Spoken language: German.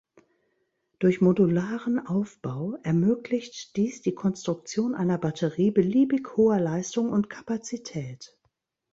Durch modularen Aufbau ermöglicht dies die Konstruktion einer Batterie beliebig hoher Leistung und Kapazität.